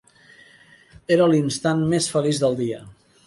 Era l'instant més feliç del dia.